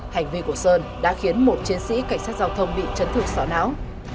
hành vi của sơn đã khiến một chiến sĩ cảnh sát giao thông bị chấn thực sỏ não